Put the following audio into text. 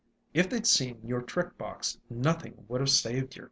"If they 'd seen your trick box nothing would have saved yer.